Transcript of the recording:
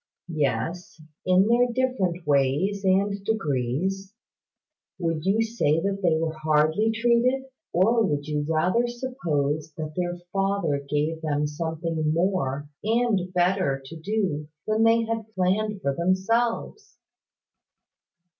"Yes, in their different ways and degrees. Would you say that they were hardly treated? Or would you rather suppose that their Father gave them something more and better to do than they had planned for themselves?"